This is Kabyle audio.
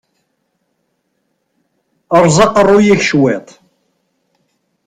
Ṛṛeẓ aqeṛṛu-yik cwiṭ!